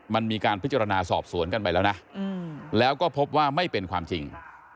มันมีการพิจารณาสอบสวนกันไปแล้วนะแล้วก็พบว่าไม่เป็นความจริง